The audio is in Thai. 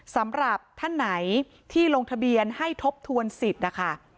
สำหรับท่านไหนที่ลงทะเบียนให้ทบทวนสิทธิ์นะคะ